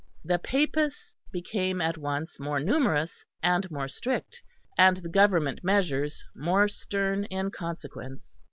The Papists became at once more numerous and more strict; and the Government measures more stern in consequence.